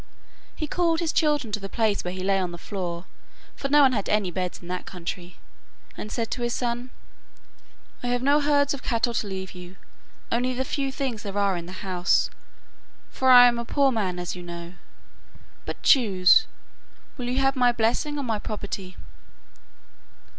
He called his children to the place where he lay on the floor for no one had any beds in that country and said to his son, 'I have no herds of cattle to leave you only the few things there are in the house for I am a poor man, as you know. But choose: will you have my blessing or my property?